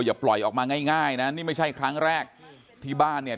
อย่าปล่อยออกมาง่ายง่ายนะนี่ไม่ใช่ครั้งแรกที่บ้านเนี่ย